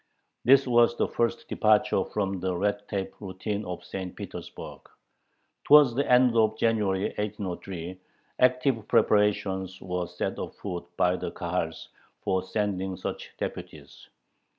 This was the first departure from the red tape routine of St. Petersburg. Towards the end of January, 1803, active preparations were set afoot by the Kahals for sending such deputies.